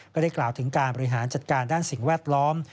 ก็ได้กล่าวถึงการบริหารจัดการด้านสิ่งแวดล้อม